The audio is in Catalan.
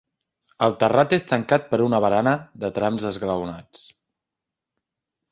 El terrat és tancat per una barana de trams esglaonats.